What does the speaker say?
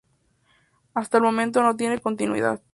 Hasta el momento no tiene continuidad.